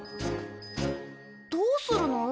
どうするの？